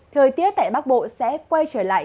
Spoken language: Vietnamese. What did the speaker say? thời tiết tại bắc bộ sẽ quay trở lại